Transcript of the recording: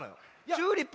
「チューリップ」。